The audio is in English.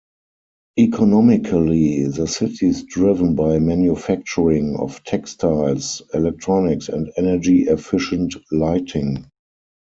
Economically, the city's driven by manufacturing of textiles, electronics, and energy-efficient lighting.